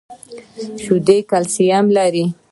شیدې کلسیم لري